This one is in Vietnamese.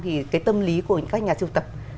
thì cái tâm lý của các nhà siêu tập